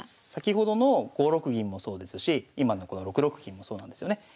先ほどの５六銀もそうですし今のこの６六金もそうなんですよね。